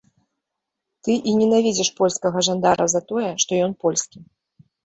Ты і ненавідзіш польскага жандара за тое, што ён польскі.